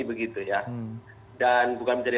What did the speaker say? begitu ya dan bukan menjadi